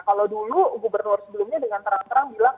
kalau dulu gubernur sebelumnya dengan terang terang bilang